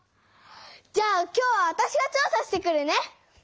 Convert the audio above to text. じゃあ今日はわたしが調査してくるね！